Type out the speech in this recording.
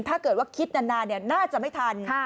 ถ้าเกิดว่าคิดนานน่าจะไม่ทัน